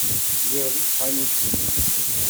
Lliɣ deg tḥanut-nni.